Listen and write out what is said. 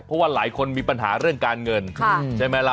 เพราะว่าหลายคนมีปัญหาเรื่องการเงินใช่ไหมล่ะ